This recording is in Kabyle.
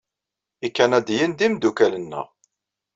Ikanadiyen d imeddukal-nneɣ.